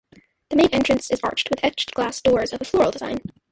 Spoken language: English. The main entrance is arched with etched glass doors of a floral design.